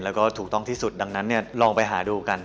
แล้วก็ถูกต้องที่สุดดังนั้นเนี่ยลองไปหาดูกัน